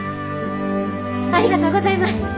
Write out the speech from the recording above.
ありがとうございます！